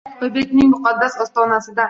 Oybekning muqaddas ostonasida